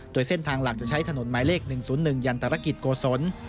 โดยเส้นทางหลักจะใช้ถนนหมายเลข๑๐๑ยันตรกิจโกศล